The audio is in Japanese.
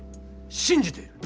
信じている。